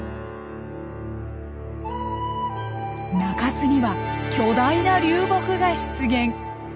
中州には巨大な流木が出現。